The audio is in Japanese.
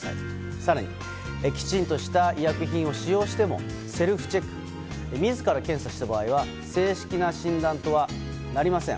更に、きちんとした医薬品を使用しても、セルフチェック自ら検査した場合は正式な診断とはなりません。